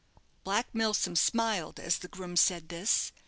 Black Milsom smiled as the groom said this.